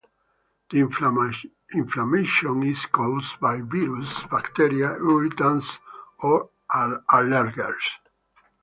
The inflammation is caused by viruses, bacteria, irritants or allergens.